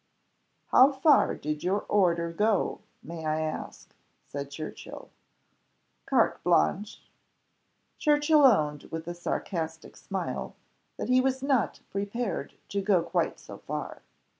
"How far did your order go, may I ask?" said Churchill. "Carte blanche." Churchill owned, with a sarcastic smile, that he was not prepared to go quite so far.